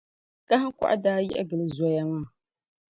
Kahiŋkɔɣu daa yiɣi gili zoya zaa.